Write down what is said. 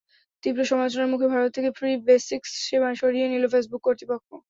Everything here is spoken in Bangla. তীব্র সমালোচনার মুখে ভারত থেকে ফ্রি বেসিকস সেবা সরিয়ে নিল ফেসবুক কর্তৃপক্ষ।